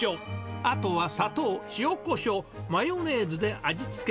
あとは砂糖、塩、こしょう、マヨネーズで味付け。